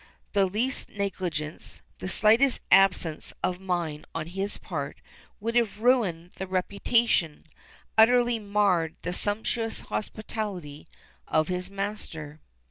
The least negligence, the slightest absence of mind on his part, would have ruined the reputation, utterly marred the sumptuous hospitality, of his master.